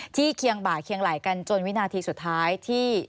เคียงบ่าเคียงไหล่กันจนวินาทีสุดท้ายที่